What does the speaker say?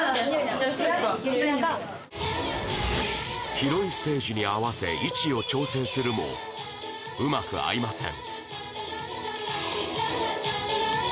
広いステージに合わせ位置を調整するもうまく合いません